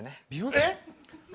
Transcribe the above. えっ！？